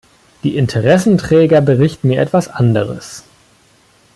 Die Interessenträger berichten mir etwas anderes.